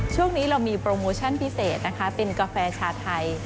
ช่วงนี้เรามีโปรโมชั่นพิเศษนะคะเป็นกาแฟชาไทย